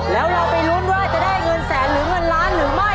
แล้วเราไปลุ้นว่าจะได้เงินแสนหรือเงินล้านหรือไม่